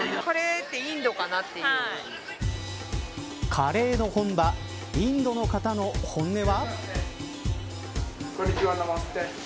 カレーの本場インドの方の本音は。